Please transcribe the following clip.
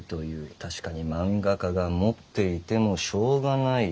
確かに漫画家が持っていてもしょうがない土地だ。